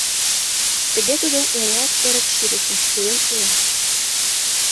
Тыге тудо эреак эрык шӱлышым шӱлен ила.